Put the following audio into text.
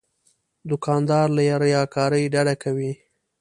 دوکاندار له ریاکارۍ ډډه کوي.